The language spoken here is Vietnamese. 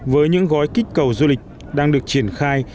với những gói kích cầu du lịch đang được triển khai